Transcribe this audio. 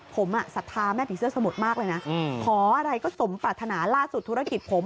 ผมอ่ะสับถามันที่เสื้อสมุดมากเลยนะเออขออะไรก็สมปรัฐนาล่าสุดธุรกิจผม